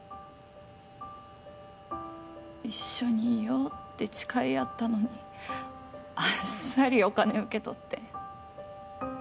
一緒にいようって誓い合ったのにあっさりお金受け取って。